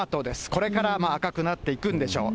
これから赤くなっていくんでしょう。